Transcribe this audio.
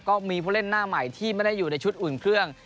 ก็มีผู้เล่นหน้าใหม่ที่ไม่ได้อยู่ในชุดอุ่นเครื่อง